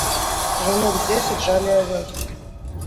Жанок дзесяць жалі авёс.